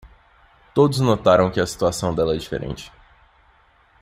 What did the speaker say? Todos notaram que a situação dela é diferente.